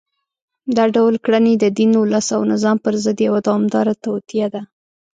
دا ډول کړنې د دین، ولس او نظام پر ضد یوه دوامداره توطیه ده